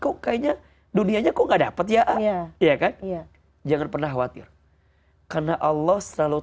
kok kayaknya dunianya kok gak dapet ya iya iya kan iya jangan pernah khawatir karena allah selalu